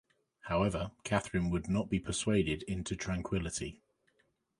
However, Catherine would not be persuaded into tranquillity.